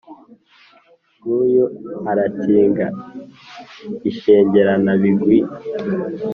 Nguyu arakinga Inshengeranabigwi !"